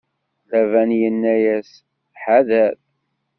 Laban inna-yas: Ḥadeṛ!